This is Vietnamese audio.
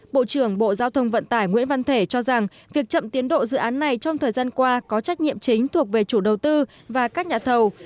bộ trưởng bộ giao thông vận tải nguyễn văn thể cho rằng việc chậm tiến độ dự án này trong thời gian qua có trách nhiệm chính thuộc về chủ đầu tư và các nhà thầu